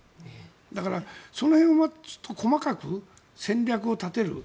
だから、その辺はちょっと細かく戦略を立てる。